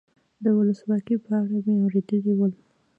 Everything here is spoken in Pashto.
د لوکسوالي په اړه مې اورېدلي ول.